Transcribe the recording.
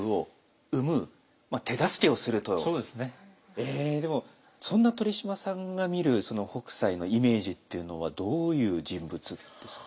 えでもそんな鳥嶋さんが見る北斎のイメージっていうのはどういう人物ですか？